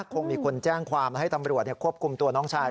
คงมีคนแจ้งความและให้ตำรวจควบคุมตัวน้องชาย